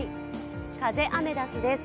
風、アメダスです。